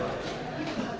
di lapas dan rutabaga